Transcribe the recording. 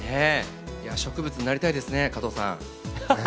植物になりたいですね、加藤さん。